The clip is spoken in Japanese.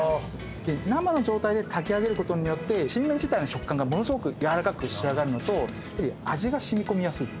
生の状態で炊き上げることによってちりめん自体の食感がものすごくやわらかく仕上がるのと味が染み込みやすい。